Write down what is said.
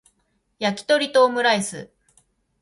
やきとりとオムライス